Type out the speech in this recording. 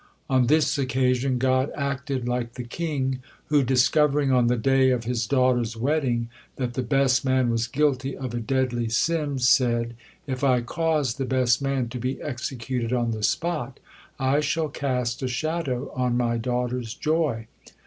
On this occasion God acted like the king who, discovering on the day of his daughter's wedding that the best man was guilty of a deadly sin, said: "If I cause the best man to be executed on the spot, I shall cast a shadow on my daughter's joy.